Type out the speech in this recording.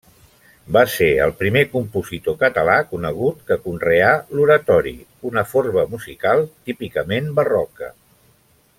Va ser el primer compositor català conegut que conreà l'oratori, una forma musical típicament barroca.